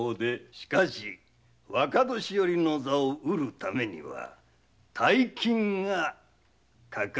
しかし若年寄の座を得るためには大金がかかるでのう。